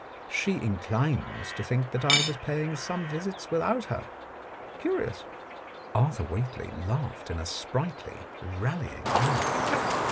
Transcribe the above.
She inclines to think that I was paying some visits without her. Curious !" Arthur Whately laughed in a sprightly, rallying manner.